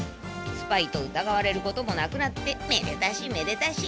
スパイとうたがわれることもなくなってめでたしめでたし！